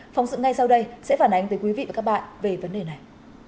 phòng sự ngay sau đây sẽ phản ánh với quý vị và các bạn về vấn đề này